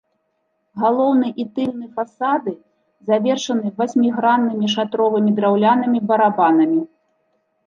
Галоўны і тыльны фасады завершаны васьміграннымі шатровымі драўлянымі барабанамі.